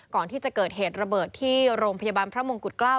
ก่อนที่จะเกิดเหตุระเบิดที่โรงพยาบาลพระมงกุฎเกล้า